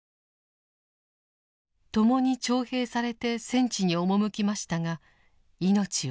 ともに徴兵されて戦地に赴きましたが命を落としました。